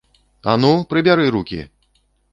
А ну, прыбяры рукі!